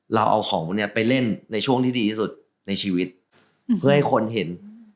เราเอาของเนี่ยไปเล่นในช่วงที่ดีที่สุดในชีวิตเพื่อให้คนเห็น